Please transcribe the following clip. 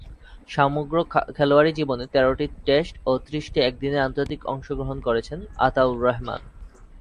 সমগ্র খেলোয়াড়ী জীবনে তেরোটি টেস্ট ও ত্রিশটি একদিনের আন্তর্জাতিকে অংশগ্রহণ করেছেন আতা-উর-রেহমান।